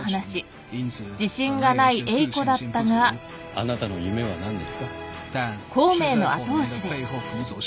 あなたの夢は何ですか？